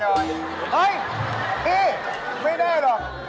เฮ้ยพี่ไม่ได้หรอก